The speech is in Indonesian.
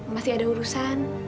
masih ada urusan